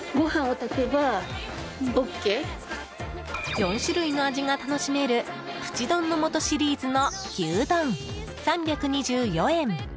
４種類の味が楽しめるプチ丼の素シリーズの牛丼３２４円。